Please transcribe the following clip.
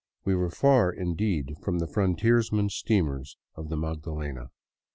We were far indeed from the frontiersman steamers of the Magdalena.